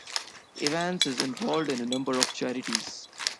Evans is involved in a number of charities.